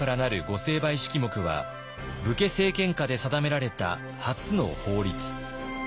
成敗式目は武家政権下で定められた初の法律。